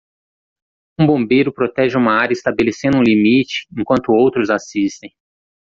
Um bombeiro protege uma área estabelecendo um limite enquanto outros assistem.